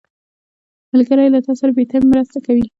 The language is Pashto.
ملګری له تا سره بې تمې مرسته کوي